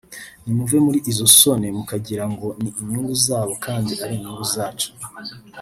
nimuve muri izo soni mukagira ngo ni inyungu zabo kandi ari inyungu zacu